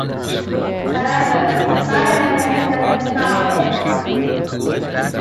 However, Spider-Man enters and stops him.